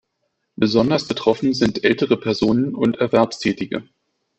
Besonders betroffen sind ältere Personen und Erwerbstätige.